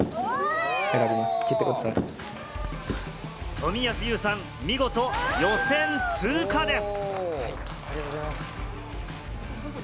富安悠さん、見事予選通過です。